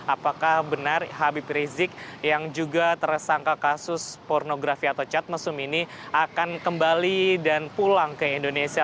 apakah benar habib rizik yang juga tersangka kasus pornografi atau cat mesum ini akan kembali dan pulang ke indonesia